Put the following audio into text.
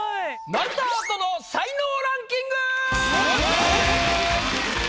丸太アートの才能ランキング！